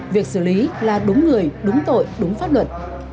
việc xử lý là đúng người đúng tội đúng pháp luật